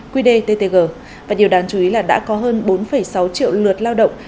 qdttg và nhiều đáng chú ý là đã có hơn bốn sáu triệu lượt lao động